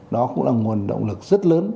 đó cũng là nguồn động lực rất lớn